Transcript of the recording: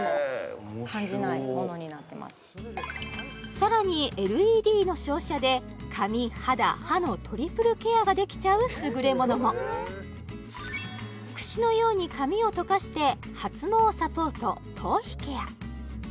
おもしろさらにＬＥＤの照射で髪肌歯のトリプルケアができちゃうすぐれものもくしのように髪をとかして発毛サポート・頭皮ケア